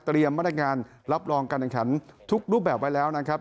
มาตรการรับรองการแข่งขันทุกรูปแบบไว้แล้วนะครับ